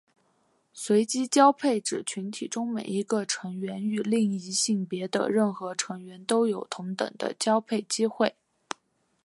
随机交配指群体中每一个成员与另一性别的任何成员都有同等的交配机会。